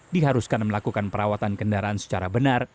diharuskan melakukan perawatan kendaraan secara benar